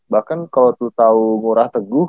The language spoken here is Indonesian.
bahkan kalau tuh tau ngurah teguh